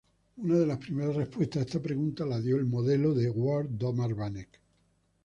Una de las primeras respuestas a esta pregunta la dio el Modelo de Ward-Domar-Vanek.